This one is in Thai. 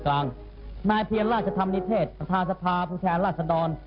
จากนั้นเวลา๑๑นาฬิกาเศรษฐ์พระธินั่งไพรศาลพักศิลป์